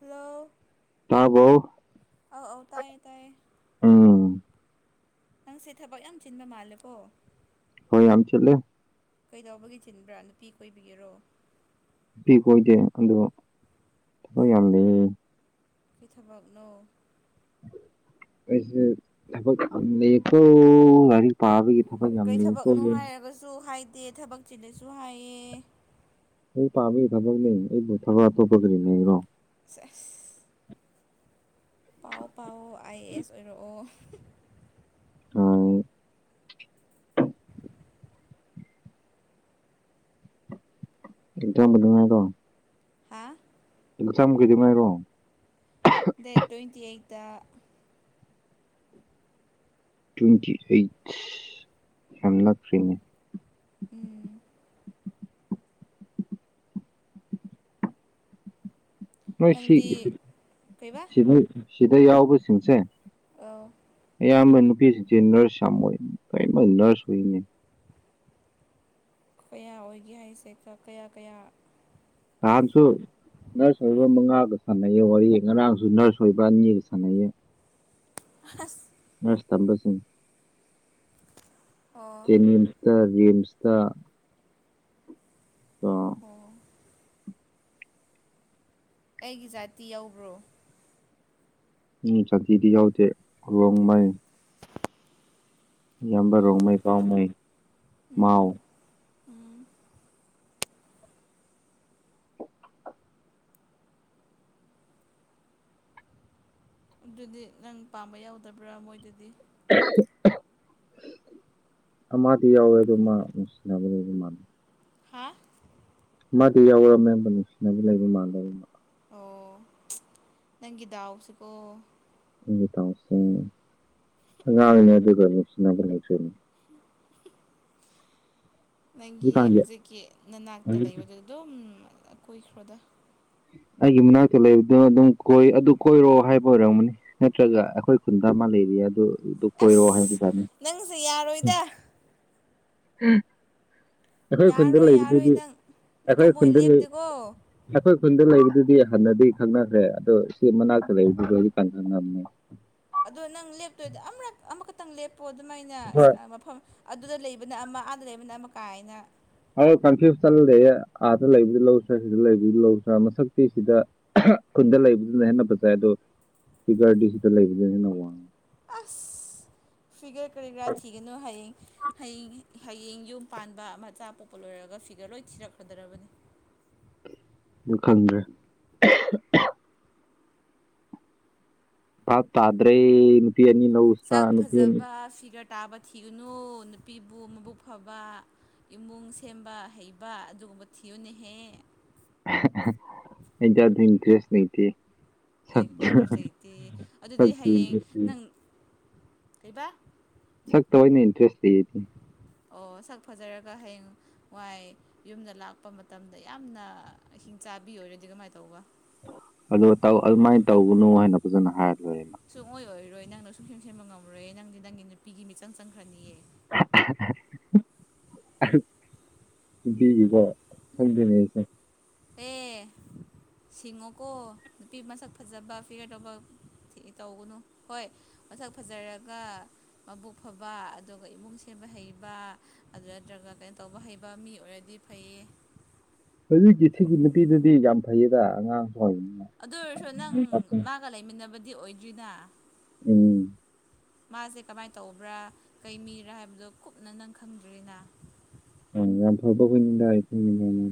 Hello ꯇꯥꯕꯣ ꯑꯧ ꯑꯧ ꯇꯥꯏꯌꯦ ꯇꯥꯏꯌꯦ ꯎꯝ ꯅꯪꯁꯦ ꯊꯕꯛ ꯌꯥꯝ ꯆꯤꯟꯕ ꯃꯥꯜꯂꯦꯀꯣ ꯍꯣꯏ ꯌꯥꯝ ꯆꯠꯂ ꯀꯩꯗꯧꯕꯒꯤ ꯆꯤꯟꯕ꯭ꯔꯥ ꯅꯨꯄꯤ ꯀꯣꯏꯕꯤꯒꯦꯔꯣ ꯄꯤꯕ ꯑꯣꯏꯗꯦ ꯑꯗꯣ ꯊꯕꯛ ꯌꯥꯝ ꯂꯩ ꯀꯩ ꯊꯕꯛꯅꯣ ꯁꯣ ꯍꯥꯏꯅꯤ [unintelligible] ꯄꯥꯕꯒꯤ ꯊꯕꯛ ꯌꯥꯝ ꯀꯩ ꯂꯩꯌꯦꯀꯣ ꯊꯕꯛꯅꯣ ꯂꯥꯏꯔꯤꯛ ꯍꯥꯏꯔꯒꯁꯨ ꯍꯥꯏꯗꯦ ꯊꯕꯛ ꯆꯤꯜꯂꯁꯨ ꯍꯥꯏꯑ ꯑꯩ ꯄꯥꯕꯒꯤ ꯊꯕꯛꯅꯦ ꯑꯩꯕꯨ ꯊꯕꯛ ꯑꯇꯣꯞꯄ ꯀꯔꯤꯅꯦꯔꯣ ꯆꯦꯁ ꯄꯥꯎ ꯄꯥꯎ ꯑꯥꯏ ꯑꯦ ꯑꯦꯁ ꯑꯣꯏꯔꯛꯑꯣ ꯎꯝ ꯑꯦꯇꯣ ꯃꯗꯨꯉꯥꯏꯗꯣ ꯍꯥꯥ ꯀꯨꯊꯥꯃꯨꯛꯩꯗ ꯃꯥꯏꯔꯣ [unintelligible] ꯗꯦꯠ ꯇ꯭ꯋꯦꯟꯇꯤ ꯑꯩꯠꯇ ꯇ꯭ꯋꯦꯟꯇꯤ ꯑꯩꯠ ꯌꯥꯝ ꯂꯥꯛꯇ꯭ꯔꯤꯅꯦ ꯎꯝ ꯅꯣꯏ ꯁꯤ ꯅꯪꯗꯤ ꯀꯩꯕꯥ ꯁꯤꯗ ꯌꯥꯎꯕꯁꯤꯡꯁꯦ ꯑ ꯑꯌꯥꯝꯕ ꯅꯨꯄꯤꯁꯤꯡꯁꯦ ꯅꯔꯁ ꯌꯥꯝꯃꯣꯏ ꯀꯔꯤꯃ ꯅꯔꯁ ꯑꯣꯏꯔꯤꯅꯦ ꯀꯌꯥ ꯑꯣꯏꯒꯦ ꯍꯥꯏꯁꯦ ꯀꯌꯥ ꯀꯌꯥ ꯀꯔꯝ ꯊꯝꯁꯨ ꯅꯔꯁ ꯑꯣꯏꯕ ꯃꯉꯥꯒ ꯁꯥꯟꯅꯩꯌꯦ ꯋꯥꯔꯤ ꯉꯔꯥꯡꯁꯨ ꯅꯔꯁ ꯑꯣꯏꯕ ꯑꯅꯤꯒ ꯁꯥꯟꯅꯩꯌꯦ ꯍꯁ ꯑꯦꯁ ꯊꯂꯣꯁꯤꯡ [unintelligible] ꯑꯣ [unintelligible] ꯔꯤꯝꯁꯇ ꯑꯣ ꯑꯩꯒꯤ ꯖꯥꯇꯤ ꯌꯧꯕ꯭ꯔꯣ ꯖꯇꯤꯗꯤ ꯌꯥꯎꯗꯦ ꯔꯣꯡ ꯃꯩ ꯏꯌꯥꯝꯕ ꯎꯝ ꯔꯣꯃꯩ ꯄꯥꯎ ꯃꯩ ꯃꯥꯎ ꯎꯝ ꯎꯝ ꯑꯗꯨꯗꯤ ꯅꯪ ꯄꯥꯝꯕ ꯌꯥꯎꯗꯕ꯭ꯔꯥ ꯃꯣꯏꯗꯨꯗꯤ ꯑꯃꯗꯤꯗꯤ ꯌꯥꯎꯋꯦ ꯑꯗꯨ ꯃꯥ ꯅꯨꯡꯁꯤꯅꯕꯅꯦ ꯑꯗꯨ ꯃꯥꯜꯂ ꯍꯥꯥ ꯃꯥꯗꯤ ꯌꯥꯎꯔ ꯃꯌꯥꯝꯕ ꯅꯨꯡꯁꯤꯅꯕ ꯂꯩꯕ ꯃꯜꯂ ꯑꯣ ꯅꯪꯒꯤ ꯗꯥꯎꯁꯤꯀꯣ ꯏꯒꯤꯇꯥꯎꯁꯤꯡ ꯑꯉꯥꯡꯔꯤꯅ ꯑꯗꯨꯒ ꯅꯨꯡꯁꯤꯕ ꯂꯩꯖꯣꯏꯅꯦ ꯅꯪꯒꯤ ꯍꯧꯖꯤꯛꯀꯥꯟꯒꯤ ꯍꯧꯖꯤꯛꯀꯤ ꯅꯅꯥꯛꯇ ꯂꯩꯕꯗꯨ ꯑꯗꯨꯝ ꯀꯨꯏꯈ꯭ꯔꯣꯗ ꯑꯩꯒꯤ ꯃꯅꯥꯛꯇ ꯂꯩꯕꯗꯨ ꯑꯗꯨꯝ ꯀꯣꯏ ꯑꯗꯨ ꯀꯣꯏꯔꯣ ꯍꯥꯏꯕ ꯑꯣꯏꯔꯝꯃꯅꯤ ꯅꯠꯇ꯭ꯔꯒ ꯑꯩꯈꯣꯏ ꯈꯨꯟꯗ ꯑꯃ ꯂꯩꯔꯤ ꯑꯗꯨꯗꯨ ꯀꯣꯏꯔꯣ ꯑꯁ ꯍꯥꯏꯅ ꯇꯥꯅꯤ ꯅꯪꯁꯦ ꯌꯥꯔꯣꯏꯗ ꯑꯩꯈꯣꯏ ꯈꯨꯟꯗ ꯌꯥꯔꯣꯏ ꯌꯥꯔꯣꯏ ꯂꯩꯕꯕꯁꯤꯗꯤ ꯅꯪ ꯑꯩꯈꯣꯏ ꯊꯃꯣꯏ ꯈꯨꯟꯗ ꯂꯩ ꯂꯦꯞꯇꯦꯀꯣ ꯑꯩꯈꯣꯏ ꯈꯨꯟꯗ ꯂꯩꯕꯗꯨꯗꯤ ꯍꯥꯟꯟꯅꯅꯗꯤ ꯈꯪꯅꯈ꯭ꯔꯦ ꯑꯗꯣ ꯁꯤ ꯃꯅꯥꯛꯇ ꯂꯩꯕꯗꯨ ꯂꯗꯤ ꯀꯥꯟꯈꯪ ꯉꯝꯅꯤ ꯑꯗꯣ ꯅꯪ ꯂꯦꯞꯇꯣꯏꯗꯤ ꯑꯃ ꯑꯃꯈꯛꯇꯪ ꯂꯦꯞꯄꯣ ꯑꯗꯨꯃꯥꯏꯅ ꯍꯣꯏ ꯃꯐꯝ ꯑꯗꯨꯗ ꯂꯩꯕꯅ ꯑꯃ ꯑꯥꯗ ꯂꯩꯕꯅ ꯑꯃ ꯀꯥꯏꯅ ꯍꯣꯏ ꯀꯟꯐ꯭ꯌꯨꯁ ꯆꯜꯂꯦ ꯑꯥꯗ ꯂꯩꯕꯗꯤ ꯂꯧꯁꯤ꯭ꯔꯥ ꯁꯤꯗ ꯂꯩꯕꯗꯤ ꯂꯧꯗ꯭ꯔꯥ ꯃꯁꯛꯇꯤ ꯁꯤꯗ ꯈꯨꯟꯗ ꯂꯩꯕꯗꯨꯅ ꯍꯦꯟꯅ ꯐꯖꯩ ꯑꯗꯣ ꯐꯤꯒꯔꯇꯤ ꯁꯤꯗ ꯂꯩꯕꯗꯨꯅ ꯍꯦꯟꯅ ꯋꯥꯡꯉꯤ ꯑꯁ ꯐꯤꯒꯔ ꯀꯔꯤꯒꯔꯥ ꯊꯤꯒꯅꯨ ꯍꯌꯦꯡ ꯍꯌꯦꯡ ꯍꯌꯦꯡ ꯌꯨꯝ ꯄꯥꯟꯕ ꯃꯆꯥ ꯄꯣꯛꯄ ꯂꯣꯏꯔꯒ ꯐꯤꯒꯔ ꯂꯣꯏ ꯊꯤꯔꯛꯀꯗꯕꯅꯤ ꯈꯪꯗ꯭ꯔꯦ ꯄꯥ ꯇꯗ꯭ꯔꯦ ꯅꯨꯄꯤꯅꯤ ꯅꯧꯁ ꯁꯛ ꯅꯨꯄꯤꯅꯤ [unintelligible] ꯇꯥꯕ ꯊꯤꯒꯅꯨ ꯅꯨꯄꯤꯕꯨ ꯃꯕꯨꯛ ꯐꯕ ꯏꯃꯨꯡ ꯁꯦꯝꯕ ꯍꯩꯕ ꯑꯗꯨꯒꯨꯝꯕ ꯊꯤꯌꯨꯅꯍꯦ ꯑꯩꯖꯗ ꯏꯟꯇ꯭ꯔꯦꯁ ꯅꯇ ꯑꯦ ꯏꯟꯗ꯭ꯔꯦꯁ ꯂꯩꯇꯦ ꯑꯗꯨꯗꯤ ꯁꯛꯇ ꯍꯌꯦꯡ ꯏꯟꯇꯔꯦꯁ ꯂꯩ ꯅꯪ ꯀꯩꯕ ꯁꯛꯇꯣ ꯑꯩꯅ ꯏꯟꯔꯦꯁ ꯊꯦ ꯑꯣ ꯁꯛ ꯐꯖꯔꯒ ꯍꯌꯦꯡ ꯋꯥꯏ ꯌꯨꯝꯗ ꯂꯥꯛꯄ ꯃꯇꯝꯗ ꯌꯥꯝꯅ ꯑ ꯍꯤꯡ ꯆꯥꯕꯤ ꯑꯣꯏꯔꯗꯤ ꯀꯃꯥꯏꯅ ꯇꯧꯕ ꯑ ꯑꯗꯨꯃꯥꯏꯅ ꯇꯧꯕꯅꯨ ꯍꯥꯏꯅ ꯐꯖꯅ ꯍꯥꯏꯔ ꯂꯣꯏꯔꯦꯃ ꯁꯨꯡꯑꯣ ꯑꯣꯏꯔꯣꯏ ꯅꯪꯅ ꯁꯨꯡ ꯁꯦꯝ ꯁꯦꯝꯕ ꯉꯝꯔꯣꯏꯦ ꯅꯪꯗꯤ ꯅꯪꯒꯤ ꯅꯨꯄꯤꯒꯤ ꯃꯤꯆꯪ ꯆꯪꯈ꯭ꯔꯅꯤꯌꯦ [unintelligible] [unintelligible] ꯑꯦ ꯁꯤꯡꯉꯣꯀꯣ ꯅꯨꯄꯤ ꯃꯁꯛ ꯐꯖꯕ ꯄꯤꯒꯗꯧꯕ ꯇꯧꯒꯅꯨ ꯍꯣꯏ ꯃꯁꯛ ꯐꯖꯔꯒ ꯃꯕꯨꯛ ꯐꯕ ꯑꯗꯨꯒ ꯏꯃꯨꯡ ꯁꯦꯝꯕ ꯍꯩꯕ ꯑꯗꯨ ꯅꯠꯇ꯭ꯔꯒ ꯀꯩꯅꯣ ꯇꯧꯕ ꯍꯩꯕ ꯃꯤ ꯑꯣꯏꯔꯗꯤ ꯐꯩꯌꯦ ꯍꯧꯖꯤꯛꯀꯤ ꯁꯤꯒꯤ ꯅꯨꯄꯤꯗꯨꯗꯤ ꯌꯥꯝ ꯐꯩꯌꯦꯗ ꯑꯉꯥꯡ [unintelligible] ꯑꯗꯨ ꯑꯣꯏꯔꯁꯨ ꯅꯪ ꯃꯥꯒ ꯂꯩꯃꯤꯟꯅꯕꯗꯤ ꯑꯣꯏꯗ꯭ꯔꯤꯅ ꯎꯝ ꯃꯥꯁꯦ ꯀꯃꯥꯏꯅ ꯇꯧꯕ꯭ꯔꯥ ꯀꯩ ꯃꯤꯔꯥ ꯍꯥꯏꯕꯗꯣ ꯀꯨꯞꯅ ꯅꯪ ꯈꯪꯗ꯭ꯔꯤꯅ [unintelligible]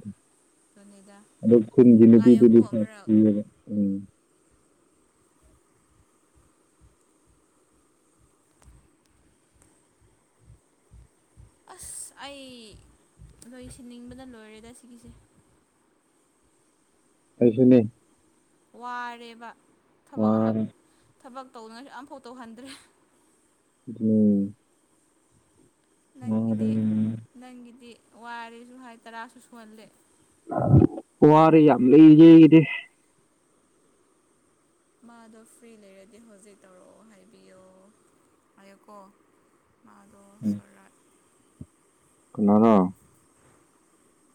ꯑꯗꯨꯅꯤꯗ ꯑꯗꯣ ꯉꯥꯏꯌꯣꯀꯣ ꯑꯃꯨꯔꯛ [inaudible] ꯑꯁ ꯑꯩ ꯂꯣꯏꯁꯤꯟꯅꯤꯡꯕꯅ ꯂꯣꯏꯔꯦꯗ ꯁꯤꯒꯤꯁꯦ ꯑꯩꯁꯨꯅꯦ ꯋꯥꯔꯦꯕ ꯊꯕꯛ ꯑꯃ ꯋꯥꯔꯦ ꯊꯕꯛ ꯇꯧꯅꯁꯨ ꯑꯃꯝꯐꯥꯎ ꯇꯧꯍꯟꯗ꯭ꯔꯦ ꯎꯝ ꯅꯪꯒꯤꯗꯤ ꯅꯪꯒꯤꯗꯤ ꯋꯥꯔꯦꯁꯨ ꯍꯥꯏ ꯇꯔꯥꯁꯨ ꯁꯨꯍꯜꯂꯦ ꯋꯥꯔꯤ ꯌꯥꯝ ꯂꯩꯌ‌ꯦ ꯑꯩꯗꯤ ꯃꯥꯗꯣ ꯐ꯭ꯔꯤ ꯂꯩꯔꯗꯤ ꯍꯧꯖꯤꯛ ꯇꯧꯔꯛꯑꯣ ꯍꯥꯏꯕꯤꯌꯣ ꯍꯥꯏꯌꯣꯀꯣ ꯃꯥꯗꫭ ꯁꯣꯔꯥꯠ ꯀꯟꯅꯔꯥ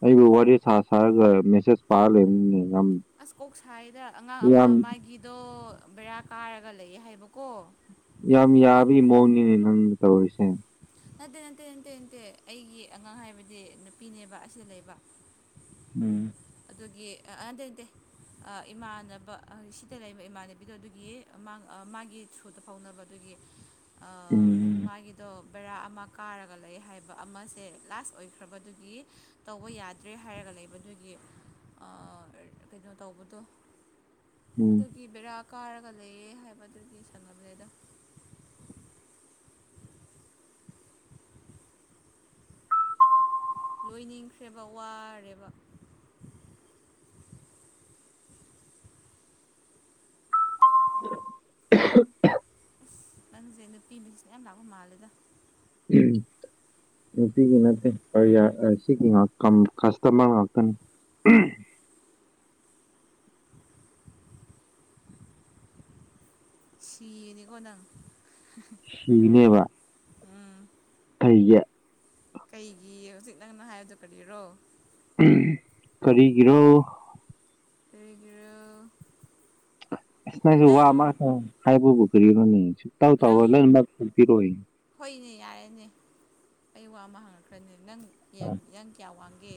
ꯑꯩꯕꯨ ꯋꯥꯔꯤ ꯁꯥ ꯁꯥꯔꯒ ꯃꯦꯁꯦꯖ ꯄꯥꯔ ꯂꯩꯕꯅꯤꯅꯦ ꯌꯥꯝ ꯑꯁ ꯀꯣꯛ ꯁꯥꯏꯗ ꯑꯉꯥꯡ ꯑꯃ ꯌꯥꯝ ꯃꯥꯒꯤꯗꯣ ꯕꯦꯔꯥ ꯀꯥꯔꯒ ꯂꯩꯌ‌ꯦ ꯍꯥꯏꯕꯀꯣ ꯌꯥꯝ ꯌꯥꯕꯩ ꯃꯑꯣꯡꯅꯤꯅꯦ ꯅꯪ ꯇꯧꯔꯤꯁꯦ ꯅꯠꯇꯦ ꯅꯠꯇꯦ ꯅꯠꯇꯦ ꯅꯠꯇꯦ ꯑꯩꯒꯤ ꯑꯉꯥꯡ ꯍꯥꯏꯕꯗꯤ ꯅꯨꯄꯤꯅꯦꯕ ꯑꯁꯤꯗ ꯂꯩꯕ ꯎꯝ ꯑꯗꯨꯒꯤ ꯑꯥ ꯅꯠꯇꯦ ꯅꯠꯇꯦ ꯑꯥ ꯏꯃꯥꯟꯅꯕ ꯁꯤꯗ ꯂꯩꯕ ꯏꯃꯥꯟꯅꯕꯤꯗꯣ ꯑꯗꯨꯒꯤ ꯃꯥꯒꯤ ꯊ꯭ꯔꯨꯗ ꯐꯥꯎꯅꯕ ꯑꯗꯨꯒꯤ ꯑꯥ ꯎꯝ ꯃꯥꯒꯤꯗꯣ ꯕꯦꯔꯥ ꯑꯃ ꯀꯥꯔꯒ ꯂꯩ ꯍꯥꯏꯕ ꯑꯃꯁꯦ ꯂꯥꯁ ꯑꯣꯏꯈ꯭ꯔꯕ ꯑꯗꯨꯒꯤ ꯇꯧꯕ ꯌꯥꯗ꯭ꯔꯦ ꯍꯥꯏꯔꯒ ꯂꯩꯕꯗꯨꯒꯤ ꯑꯥ ꯀꯩꯅꯣ ꯇꯧꯕꯗꯣ ꯑꯗꯨ ꯎꯝ ꯇꯤ ꯕꯦꯔꯥ ꯀꯥꯔꯒ ꯂꯩꯌꯦ ꯍꯥꯏꯕꯗꯨꯒꯤ ꯁꯥꯟꯅꯕꯅꯦꯗ ꯂꯣꯏꯅꯤꯡꯈ꯭ꯔꯦꯕ ꯋꯥꯔꯦꯕ [unintelligible] ꯅꯪꯁꯦ ꯅꯨꯄꯤ ꯃꯤꯁ‌ꯦꯖ ꯌꯥꯝ ꯂꯥꯛꯄ ꯃꯥꯜꯂꯦꯗ ꯎꯝ ꯅꯨꯄꯤꯒꯤ ꯅꯠꯇꯦ [unintelligible] ꯁꯤꯒꯤ ꯉ ꯀꯁꯇꯃꯔ ꯉꯥꯛꯇꯅꯤ ꯁꯤꯅꯤꯀꯣꯅꯪ ꯁꯤꯒꯅꯦꯕ ꯎꯝ ꯀꯩꯒꯤ ꯀꯩꯒꯤ ꯍꯧꯖꯤꯛ ꯅꯪꯅ ꯍꯥꯏꯕꯗꯨ ꯀꯔꯤꯔꯣ ꯀꯔꯤꯒꯤꯔꯣ ꯀꯔꯤꯒꯤꯔꯥ ꯑꯁ ꯅꯪꯁ‌ꯦ ꯋꯥ ꯑꯃ ꯅꯪ ꯍꯥꯏꯕꯕꯨ ꯀꯔꯣꯅꯦ ꯁꯨꯛꯇꯥꯎ ꯇꯥꯎꯔ ꯅꯪ ꯂꯣꯏꯅꯃꯛ [unintelligible] ꯈꯄꯤꯔꯣꯏ ꯍꯣꯏꯅꯦ ꯌꯥꯔꯦꯅꯦ ꯑꯩ ꯋꯥ ꯑꯃ ꯍꯪꯉꯛꯈ꯭ꯔꯅꯤ ꯅꯪ ꯅꯪ ꯀꯌꯥ ꯋꯥꯡꯒꯦ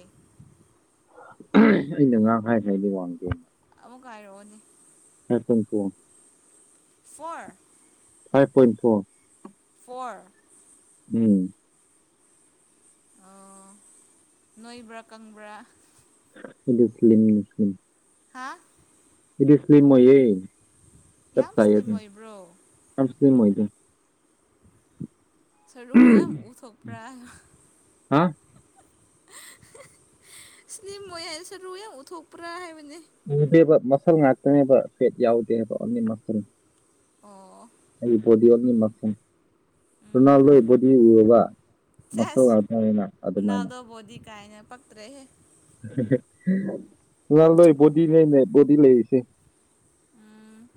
ꯑꯩꯅ ꯉꯥꯔꯥꯡ ꯍꯥꯏꯈꯔ‌ꯦ ꯑꯩꯗꯤ ꯋꯥꯡꯗꯦ ꯑꯃꯨꯛꯀ ꯍꯥꯏꯔꯛꯑꯣꯅꯦ ꯐꯥꯏꯚ ꯄꫭꯏꯟ ꯐꫭꯔ ꯋꯥꯡꯏ four five point four four ꯎꯝ ꯑꫭ ꯅꯣꯏꯕ꯭ꯔꯥ ꯀꯪꯕ꯭ꯔꯥ ꯁꯂꯤꯁꯂꯤꯝ [unintelligible] ꯍꯥꯥ ꯑꯩꯗꯤ ꯏꯁ꯭ꯂꯤꯝ ꯑꯣꯏꯌꯦ ꯆꯞ ꯌꯥꯝ ꯆꯥꯏ ꯁ꯭ꯂꯤꯝ ꯑꯗꯨꯅ ꯑꯣꯏꯕ꯭ꯔꯣ ꯌꯥꯝ [unintelligible] ꯏꯁ꯭ꯂꯤꯝ ꯑꯣꯏꯗ ꯁꯔꯨ ꯌꯥꯝ ꯎꯊꯣꯛꯄ꯭ꯔꯥ ꯍꯥ ꯏꯁꯂ꯭ꫯꯝ ꯑꫭꯏ ꯍꯥꯏ ꯁꯔꯨ ꯌꯥꯝ ꯎꯠꯊꯣꯛꯄ꯭ꯔꯥ ꯍꯥꯏꯕꯅꯦ ꯎꯗꯦꯕ ꯃꯁꯜ ꯉꯥꯛꯇꯅꯦꯕ ꯐꯦꯠ ꯌꯥꯎꯗꯦꯕ ꯑꯣꯟꯂꯤ ꯃꯁꯜ ꯑꯣ ꯑꯩ ꯕꯣꯗꯤ ꯑꯣꯟꯂꯤ ꯃꯁꯜ ꯔꯣꯅꯥꯜꯗꯣꯏ ꯕꯣꯗꯤ ꯎꯔꯕ ꯃꯁꯜ ꯆꯁ ꯉꯥꯛꯇꯅꯤꯅ ꯑꯗꯨꯃꯥꯏꯅ ꯔꫭꯅꯥꯜꯗꯣ ꯕꫭꯗꯤ ꯀꯥꯥꯏꯅ ꯄꯛꯇꯔꯦꯍꯦ ꯔꫭꯅꯥꯜꯗꯣꯏ ꯕꯣꯗꯤ ꯂꯩꯅꯦ ꯕꯣꯗꯤ ꯂꯩꯔꯤꯁꯦ ꯎꯝ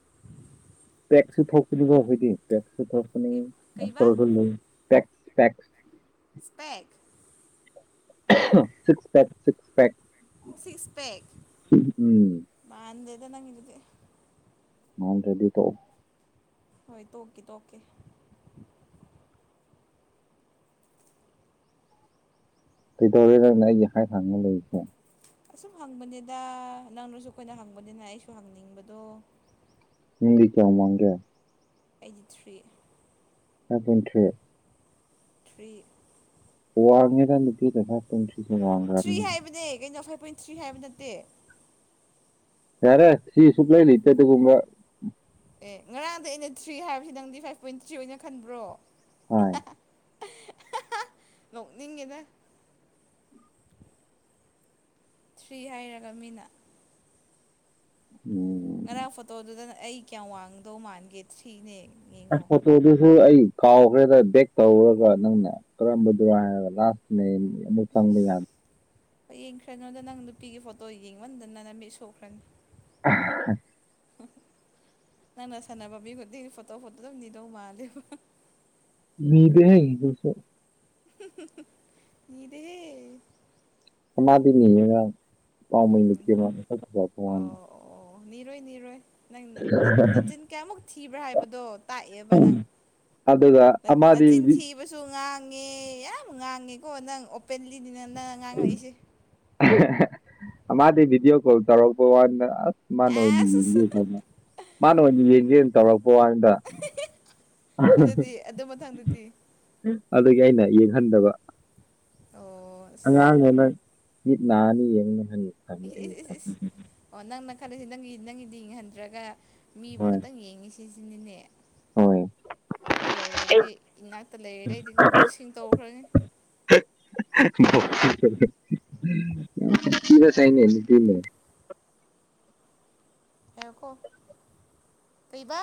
[unintelligible] ꯄꯦꯛꯁꯨ ꯊꯣꯛꯄꯅꯤꯀꫭ ꯑꯩꯈꫭꯏꯗꯤ ꯄꯦꯛꯁꯨ ꯊꯣꯛꯄꯅꯤꯀꯅꯨ ꯀꯩꯕꯥ ꯃꯆꯥꯜꯗꯨ ꯂꯩ ꯄꯦꯛ ꯄꯦꯛꯁ ꯏꯁꯄꯦꯛ ꯁꯤꯛ ꯄꯦꯛ ꯁꯤꯛ ꯄꯦꯛꯀ ꯎꯝ ꯃꯥꯥꯟꯗꯦꯗ ꯅꯪꯒꯤꯗꯨꯗꯤ ꯃꯥꯟꯗꯔꯗꯤ ꯇꯣꯛꯑꯨ ꯍꯣꯏ ꯇꫭꯛꯀꯦ ꯇꫭꯛꯀꯦ ꯀꯩꯗꯧꯔꯦ ꯅꯪꯅ ꯑꯩꯒꯤ ꯍꯥꯠ ꯍꯪꯉꯥ ꯂꯩꯔꯤꯁꯦ ꯑꯁꯨꯝ ꯍꯪꯕꯅꯤꯗ ꯅꯪꯅꯁꯨ ꯑꯩꯈꯣꯏꯅ ꯍꯪꯕꯅꯤꯅ ꯑꯩꯁꯨ ꯍꯪꯅꯤꯡꯕꯗꯣ ꯅꯪꯗꯤ ꯀꯌꯥꯝ ꯋꯥꯡꯒꯦ ꯑꯩꯗꯤ ꯊꯥꯔꯤ ꯐꯥꯏꯚ ꯄꫭꯏꯟ ꯊꯥꯔꯤ ꯊꯥꯔꯤ ꯋꯥꯡꯉꯦꯗ ꯅꯨꯄꯤ [unintelligible] ꯄꫭꯏꯟ ꯊꯥꯔꯤꯁꯦ ꯋꯥꯡ ꯊꯥꯔꯤ ꯍꯥꯏꯕꯅꯦ ꯀꯩꯅꯣ ꯐꯥꯏꯚ ꯄꯣꯏꯟ ꯊꯥꯔꯤ ꯍꯥꯏꯕ ꯅꯠꯇꯦ ꯌꯥꯔꯦ ꯊꯥꯔꯤ ꯁꯨꯛꯂꯩ ꯂꯩꯇꯦ ꯑꯗꯨꯒꯨꯝꯕ ꯑꯦ ꯉꯔꯥꯡꯗ ꯑꯩꯅ ꯊꯥꯔꯤ ꯍꯥꯏꯕꯁꯤ ꯅꯪꯗꯤ ꯐꯥꯏꯚ ꯄꯣꯏꯟ ꯊꯥꯔꯤ ꯑꯣꯏꯅ ꯈꯟꯕ꯭ꯔꯣ ꯍꯥꯏ ꯅꯣꯛꯅꯤꯡꯉꯤꯗ ꯊꯥꯔꯤ ꯍꯥꯏꯔꯒ ꯃꯤꯅ ꯎꯝ ꯉꯔꯥꯡ ꯐꯣꯇꯣꯗꯨꯗꯅ ꯑꯩ ꯀꯌꯥꯝ ꯋꯥꯡꯗꯧ ꯃꯥꯟꯒꯦ ꯊꯥꯔꯤꯅꯦ ꯌꯦꯡꯉꯣ ꯐꫭꯇꫭꯗꯨꯁꯨ ꯑꯩ ꯀꯥꯎꯈ꯭ꯔꯦꯗ ꯕꯦꯛ ꯇꯧꯔꯒ ꯅꯪꯅ ꯀꯔꯝꯝꯕꯗꯨ ꯍꯥꯏꯔ ꯂꯥꯞꯅꯦꯛ ꯑꯁ ꯑꯁ ꯍꯌꯦꯡꯈ꯭ꯔꯅꯣꯗ ꯅꯪ ꯅꯨꯄꯤꯒꯤ ꯐꯣꯇꯣ ꯌꯦꯡꯃꯟꯗꯅ ꯅꯪ ꯅꯃꯤꯠ ꯁꯣꯛꯈ꯭ꯔꯅꯤ [unintelligible] ꯅꯪꯅ ꯁꯥꯟꯅꯕ ꯃꯤ ꯈꯨꯗꯤꯡꯒꯤ ꯐꯣꯇꯣ ꯐꯣꯇꯣ ꯑꯗꯨꯝ ꯅꯤꯗꯧ ꯃꯥꯜꯂꯦꯕ ꯅꯤꯗꯦꯍꯦ ꯅꫭꯏꯁꯨ ꯅꯤꯗꯦꯍꯦ ꯀꯥꯅꯗ ꯅꯤꯎꯔ ꯄꯥꯝꯃꯨꯏ ꯎꯝ ꯅꯨꯄꯤ [unintelligible] ꯑꯣ ꯑꯣ ꯅꯤꯔꯣꯏ ꯅꯤꯔꯣꯏ ꯅꯪ ꯅꯆꯤꯟ ꯀꯌꯥꯃꯨꯛ ꯊꯤꯕ꯭ꯔꯥ ꯍꯥꯏꯕꯗꯣ ꯇꯥꯛꯑꯦꯕ ꯅꯪ ꯑꯗꯨꯒ ꯅꯆꯤꯟ ꯑꯃꯗꯤ ꯊꯤ ꯍꯥꯏꯕꯁꯨ ꯉꯥꯡꯉꯦ ꯌꯥꯝ ꯉꯥꯡꯉꯦꯀꯣ ꯅꯪ ꯑꯣꯄꯦꯟꯂꯤꯅꯤꯅ ꯅꯪ ꯉꯥꯡꯉꯛꯏꯁꯦ ꯃꯥꯗꯤ ꯚꯤꯗꯤꯑꯣ ꯀꯣꯜ ꯇꯧꯔꯛꯄ ꯋꯥꯅ ꯑꯁ ꯃꯥꯅ ꯑꯦꯁ ꯑꯣꯏꯅꯤꯌꯦ [unintelligible] ꯃꯥꯅ ꯑꯣꯏꯅ ꯌꯦꯟꯁꯦ ꯇꯧꯔꯛꯄ ꯋꯥꯅꯤꯗ ꯑꯗꯨꯗꯤ ꯑꯗꯨ ꯃꯊꯪꯗꯗꯤ ꯑꯗꯨꯒꯤ ꯑꯩꯅ ꯌꯦꯡꯍꯟꯗꯕ ꯑꯣ ꯑꯉꯥꯡꯗ ꯑꯁ ꯅꫭꯏ ꯃꯤꯠ ꯅꯥꯔꯅꯤ ꯌꯦꯡꯅ ꯍꯥꯏꯌꯨ ꯏꯁ ꯏꯁ ꯏꯁ ꯏꯁ ꯑꯣ ꯅꯪꯅ ꯈꯜꯂꯁꯤ ꯅꯪꯒꯤ ꯅꯪꯒꯤꯗꯤ ꯏꯪꯍꯟꯗ꯭ꯔꯒ ꯃꯤꯕꯨ ꯍꯣꯏ ꯈꯇꯪ ꯌꯦꯡꯉꯤ ꯁꯤꯁꯤꯅꯤꯅꯦ ꯍꯣꯏ ꯑꯩ ꯑꯣꯏꯔꯗꯤ ꯏꯅꯥꯛꯇ ꯂꯩꯔ ꯔꯗꯤ ꯕꯣꯛꯁꯤꯡ ꯇꯧꯈ꯭ꯔꯅꯤ ꯕꯣꯛꯁꯤꯡ ꯇꯧꯔꯅꯤ ꯌꯥꯝ ꯁꯥꯊꯤꯕ ꯁꯥꯏꯅꯦ ꯅꯨꯄꯤꯅ ꯑꯦꯈꯣ ꯀꯩꯕ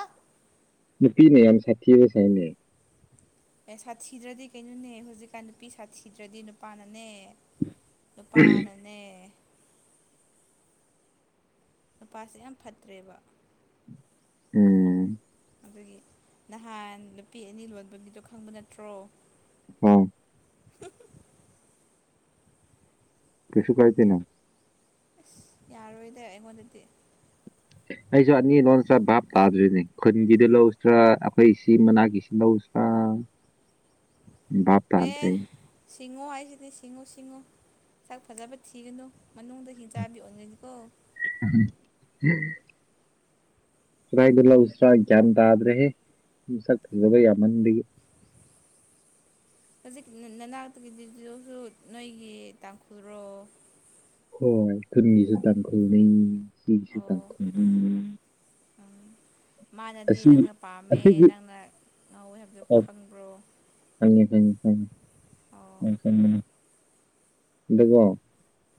ꯅꯨꯄꯤꯅ ꯌꯥꯝ ꯁꯥꯊꯤꯕꯁꯥꯏꯅꯦ ꯑꯦ ꯁꯥꯊꯤꯗ꯭ꯔꯗꯤ ꯀꯩꯅꯣꯅꯦ ꯍꯧꯖꯤꯛꯀꯥꯟ ꯅꯨꯄꯤ ꯁꯥꯊꯤꯗ꯭ꯔꯗꯤ ꯅꯨꯄꯥꯅꯅꯦ ꯅꯨꯄꯥꯅꯅꯦ ꯅꯨꯄꯥꯁꯦ ꯌꯥꯝ ꯐꯠꯇ꯭ꯔꯦꯕ ꯎꯝ ꯑꯗꯨꯒꯤ ꯅꯍꯥꯟ ꯅꯨꯄꯤ ꯑꯅꯤ ꯂꯣꯟꯕꯒꯤꯗꯣ ꯈꯪꯕ ꯅꯠꯇ꯭ꯔꯣ ꯎꯝ ꯀꯩꯁꯨ ꯀꯥꯏꯇꯦꯅꯦ ꯑꯁ ꯌꯥꯔꯣꯏꯗ ꯑꯩꯉꯣꯟꯗꯗꯤ ꯑꯩꯁꯨ ꯑꯅꯤ ꯂꯣꯟꯁꯤ꯭ꯔꯥ ꯚꯥꯞ ꯇꯥꯗ꯭ꯔꯤꯅꯦ ꯈꯨꯟꯒꯤꯗꯨ ꯂꯧꯁꯤ꯭ꯔꯥ ꯑꯩꯈꯣꯏ ꯁꯤ ꯃ ꯅꯥꯀꯤ ꯁꯤ ꯂꯧꯁꯤ꯭ꯔꯥ ꯚꯥꯞ ꯑꯦ ꯇꯥꯗ꯭ꯔꯦ ꯁꯤꯡꯉꯣ ꯍꯥꯏꯁꯤꯗꯤ ꯁꯤꯡꯉꯨ ꯁꯤꯡꯉꯨ ꯁꯥꯛ ꯐꯖꯕ ꯊꯤꯒꯅꯨ ꯃꯅꯨꯡꯗ ꯍꯤꯡꯆꯥꯕꯤ ꯑꯣꯟꯒꯅꯤꯀꯣ ꯎꯝꯝ ꯀꯌꯗꯒꯤ ꯂꯧꯁꯤꯔꯥ ꯒꯌ꯭ꯥꯟ ꯇꯗ꯭ꯔꯦ ꯁꯛ ꯐꯖꯕ ꯌꯥꯝ ꯃꯟꯕꯩ [unintelligible] ꯍꯧꯖꯤꯛ ꯅꯅꯥꯛꯇꯒꯤꯗꯤꯁꯨ ꯅꯣꯏꯒꯤ ꯇꯥꯡꯈꯨꯜꯂꯣ ꯍꯣꯏ ꯀꯨꯝꯃꯤꯁꯨ ꯇꯥꯡꯈꯨꯜꯅꯤ ꯑꯩꯁꯨ ꯑꯣ ꯇꯥꯡꯈꯨꯜꯅꯤ ꯎꯝ ꯃꯥꯅꯗꯤ ꯑꯁꯤ ꯅꯪꯅ ꯄꯥꯝꯃꯦ ꯑꯁꯤꯒꯤ ꯅꯪꯅ ꯉꯧꯋꯦ ꯍꯥꯏꯕꯗꯨ ꯈꯪꯕ꯭ꯔꯣ ꯐꯩꯌꯦ ꯐꯩꯌꯦ ꯐ ꯑꯣ ꯑꯗꯨꯀꯣ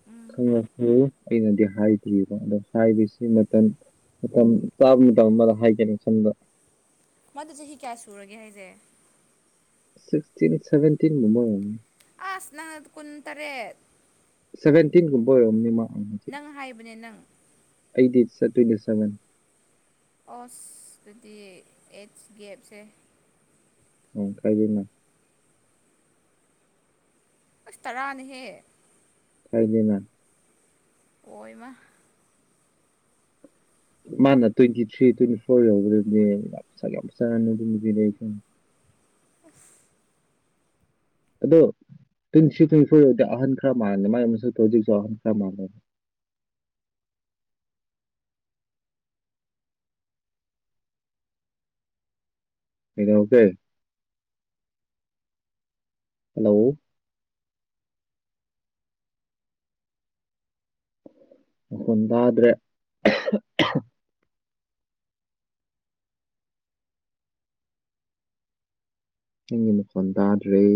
ꯎꯝ ꯈꯟꯂꯥꯁꯨ ꯑꯩꯅꯗꯤ ꯍꯥꯏꯗ꯭ꯑꯔꯤꯕ ꯑꯗꯣ ꯍꯥꯏꯕꯁꯤ ꯃꯇꯝ ꯃꯇꯝ ꯆꯥꯕ ꯃꯇꯝ ꯑꯃꯗ ꯍꯥꯏꯒꯦ ꯈꯟꯕꯥ ꯃꯗꯨ ꯆꯍꯤ ꯀꯌꯥ ꯁꯨꯔꯒꯦ ꯍꯥꯏꯁꯦ ꯁꯤꯛꯁꯇꯤꯟ ꯁꯚꯦꯟꯇꯤꯟ ꯒꯨꯝꯕꯥ ꯑꯣꯏꯔꯝꯅꯤ꯫ ꯑꯁ ꯅꯪ ꯑꯗꯨ ꯀꯨꯟ ꯇꯔꯦꯠ ꯁꯚꯦꯟꯇꯤꯟ ꯀꯨꯝꯕꯥ ꯑꯣꯏꯔꯝꯒꯅꯤ ꯃ ꯅꯪ ꯍꯥꯏꯕꯅꯦ ꯅꯪ ꯑꯩꯗꯤ ꯏꯠꯁ ꯇꯣꯏꯟꯇꯤ ꯁꯕꯦꯟ ꯑꯣꯁ ꯑꯗꯨꯗꯤ ꯑꯩꯠꯁ ꯒꯦꯞꯁꯦ ꯎꯝ ꯀꯥꯏꯗꯅ ꯑꯁ ꯇꯔꯥꯅꯤꯍꯦ ꯀꯥꯏꯗꯦꯅ ꯑꯣ ꯏ ꯏꯃꯥ ꯃꯥꯅ ꯇ꯭ꯋꯦꯟꯇꯤ ꯊ꯭ꯔꯤ ꯇ꯭ꯋꯦꯟꯇꯤ ꯐꯣꯔ ꯌꯧꯕꯗꯗꯤ ꯌꯥꯝ ꯌꯥꯝ ꯆꯥꯅꯔꯅꯤ ꯑꯗꯨꯕꯨꯗꯤ ꯑꯁ ꯑꯗꯣ ꯇꯤꯟꯇꯤꯊꯤ ꯇꯤꯟꯇꯤ ꯐꯣꯔꯗꯤ ꯑꯍꯟ ꯈꯔ ꯃꯥꯜꯂꯦ ꯃꯒꯤ ꯃ ꯄ꯭ꯔꯣꯖꯁꯨ ꯑꯍꯟ ꯈꯔ ꯃꯥꯜꯂꯦ ꯀꯩꯗꯧꯒꯦ ꯍꯜꯂꯣ ꯃꯈꯣꯜ ꯇꯥꯗ꯭ꯔꯦ ꯅꯡꯒꯤ ꯝꯈꯣꯟ ꯇꯥꯗꯔꯦ